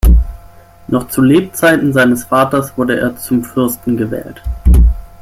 Noch zu Lebenszeiten seines Vaters wurde er zum Fürsten gewählt.